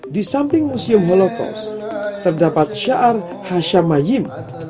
di samping museum holocaust terdapat syar hashamayim